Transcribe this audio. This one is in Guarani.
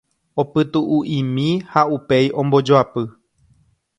Opytu'u'imi ha upéi ombojoapy.